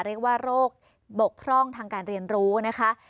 เรียกว่าโรคบกพร่องทางการเรียนรู้นะคะ